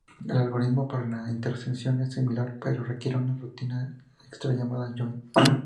El algoritmo para la intersección es similar, pero requiere una rutina extra llamada join.